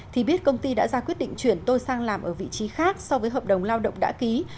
thì biết công ty đã ra quyết định chuyển tôi sang làm ở vị trí khác so với hợp đồng lao động đã ký